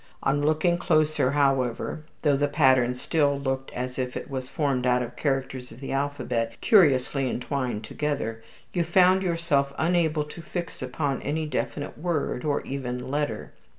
On looking closer, however, though the pattern still looked as if it was formed out of characters of the alphabet curiously entwined together, you found yourself unable to fix upon any definite word, or even letter.